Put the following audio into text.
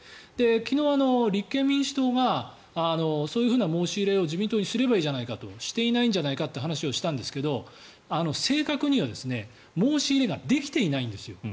昨日、立憲民主党がそういうふうな申し入れを自民党にすればいいじゃないかしていないんじゃないかという話をしたんですが正確には申し入れができていないんですよ。